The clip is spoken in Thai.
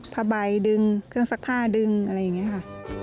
ผ้าใบดึงเครื่องซักผ้าดึงอะไรอย่างนี้ค่ะ